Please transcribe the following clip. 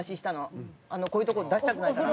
こういうとこを出したくないから。